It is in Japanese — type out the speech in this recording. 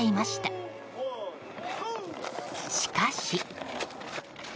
しかし。